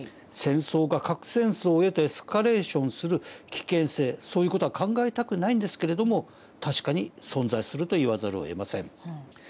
戦争が核戦争へとエスカレーションする危険性そういう事は考えたくないんですけれども確かに存在すると言わざるをえません。